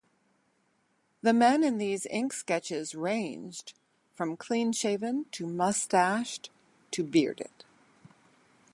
The men in these ink sketches ranged from clean-shaven, to moustached, to bearded.